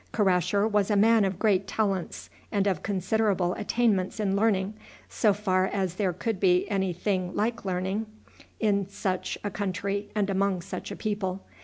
Karasher was a man of great talents and of considerable attainments in learning, so far as there could be any thing like learning in such a country and among such a people.